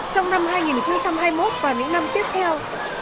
trong năm hai nghìn hai mươi một và những năm tiếp theo